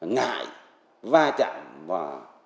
ngại va chạm và